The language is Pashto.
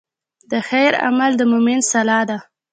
د خیر عمل د مؤمن سلاح ده.